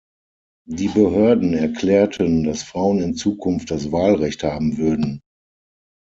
Die Behörden erklärten, dass Frauen in Zukunft das Wahlrecht haben würden.